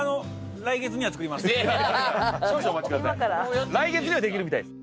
来月にはできるみたいです。